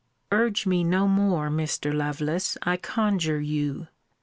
Urge me no more, Mr. Lovelace, I conjure you.